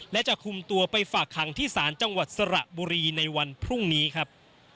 และจะคุมตัวไปฝากคังที่ศาลจังหวัดสระบุรีในวันพรุ่งนี้ครับ